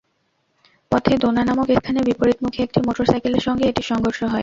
পথে দোনা নামক স্থানে বিপরীতমুখী একটি মোটরসাইকেলের সঙ্গে এটির সংঘর্ষ হয়।